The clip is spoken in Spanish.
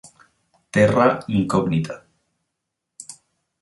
Terra incognita